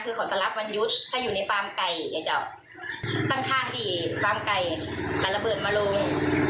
คือเขาจะรับวันหยุดถ้าอยู่ในฟาร์มไก่จะค่อนข้างที่ฟาร์มไก่มันระเบิดมาลง